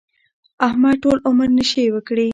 احمد ټول عمر نشې وکړې.